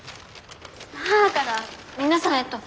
母から皆さんへと！